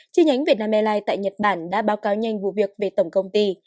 chi nhánh việt nam airlines tại nhật bản đã báo cáo nhanh vụ việc về tổng công ty